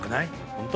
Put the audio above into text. ホント？